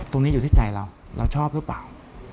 ตรงนี้อยู่ที่ใจเราเราชอบหรือเปล่า